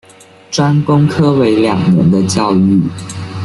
专攻科为两年的教育。